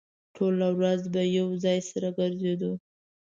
ټوله ورځ به يو ځای سره ګرځېدو.